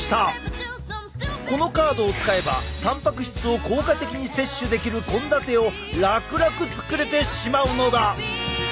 このカードを使えばたんぱく質を効果的に摂取できる献立を楽々作れてしまうのだ！